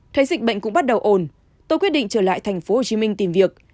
thấy dịch bệnh cũng bắt đầu ồn tôi quyết định trở lại thành phố hồ chí minh tìm việc